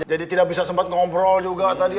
jadi tidak bisa sempat ngobrol juga tadi